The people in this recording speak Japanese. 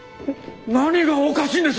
何がおかしいんです？